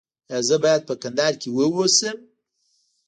ایا زه باید په کندهار کې اوسم؟